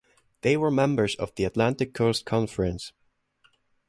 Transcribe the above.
They were members of the Atlantic Coast Conference.